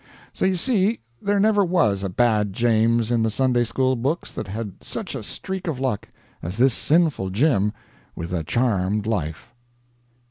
So you see there never was a bad James in the Sunday school books that had such a streak of luck as this sinful Jim with the charmed life.